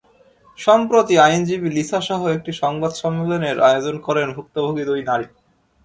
সম্প্রতি আইনজীবী লিসাসহ একটি সংবাদ সম্মেলনের আয়োজন করেন ভুক্তভোগী দুই নারী।